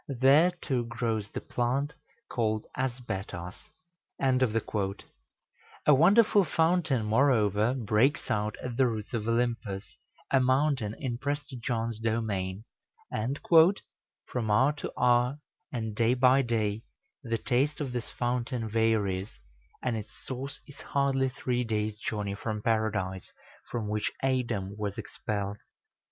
There too grows the plant called Asbetos." A wonderful fountain, moreover, breaks out at the roots of Olympus, a mountain in Prester John's domain, and "from hour to hour, and day by day, the taste of this fountain varies; and its source is hardly three days' journey from Paradise, from which Adam was expelled.